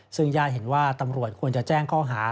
ซึ่งญาติเห็นว่าตำรวจควรจะแจ้งข้อหา